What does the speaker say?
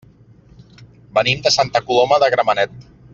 Venim de Santa Coloma de Gramenet.